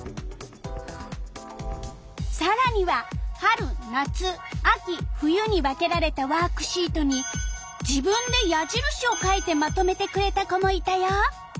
さらには春夏秋冬に分けられたワークシートに自分で矢印を書いてまとめてくれた子もいたよ。